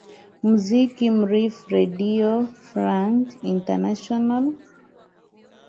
muziki rfi redio france international